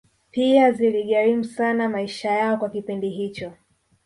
Pia ziligharimu sana maisha yao kwa kipindi hicho